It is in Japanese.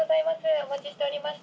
「お待ちしておりました。